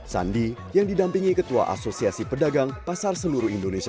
sandi yang didampingi ketua asosiasi pedagang pasar seluruh indonesia